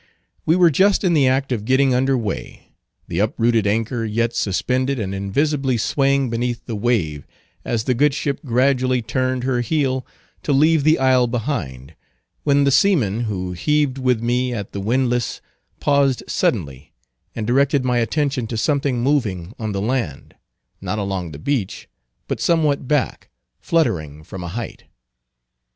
We were just in the act of getting under way, the uprooted anchor yet suspended and invisibly swaying beneath the wave, as the good ship gradually turned her heel to leave the isle behind, when the seaman who heaved with me at the windlass paused suddenly, and directed my attention to something moving on the land, not along the beach, but somewhat back, fluttering from a height.